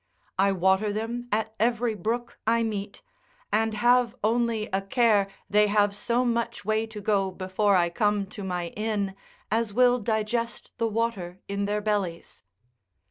I water them at every brook I meet, and have only a care they have so much way to go before I come to my inn, as will digest the water in their bellies.